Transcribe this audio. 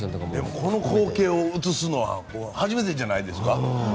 この光景を映すのは初めてじゃないですか。